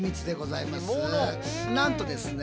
なんとですね